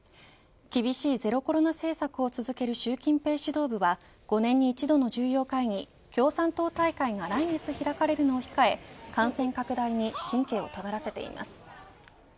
厳しいゼロコロナ政策を続ける習近平指導部は５年に一度の重要会議共産党大会が来月開かれるのを控え感染拡大に神経をとがらせています。